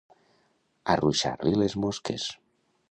Arruixar-li les mosques.